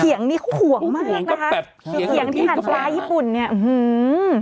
เขียงนี่เขาห่วงมากนะคะเขียงที่หันฟ้าญี่ปุ่นเนี่ยหื้อ